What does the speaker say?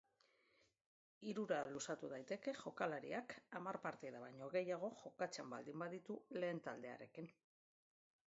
Hirura luzatu daiteke jokalariak hamar partida baino gehiago jokatzen baldin baditu lehen taldearekin.